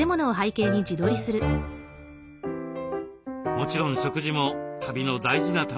もちろん食事も旅の大事な楽しみ。